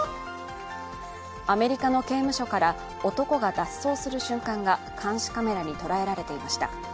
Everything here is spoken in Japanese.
アメリカの刑務所から男が脱走する瞬間が監視カメラに捉えられていました。